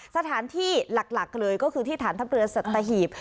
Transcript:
สถานที่หลักเลยก็คือที่ฐานทัพเรือสัตหีบ